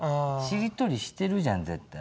しりとりしてるじゃん絶対。